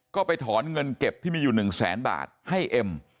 ก็ไปถอนเงินเก็บที่มีอยู่๑แสนบาทให้เอ็ม